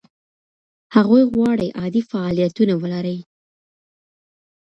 هغوی غواړي عادي فعالیتونه ولري.